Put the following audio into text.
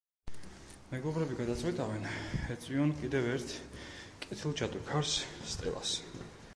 მეგობრები გადაწყვიტავენ, ეწვიონ კიდევ ერთ კეთილ ჯადოქარს, სტელას.